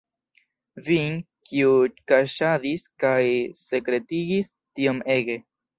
Vin, kiu kaŝadis kaj sekretigis tiom ege!